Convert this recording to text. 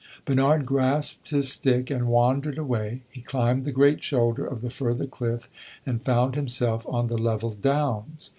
Bernard grasped his stick and wandered away; he climbed the great shoulder of the further cliff and found himself on the level downs.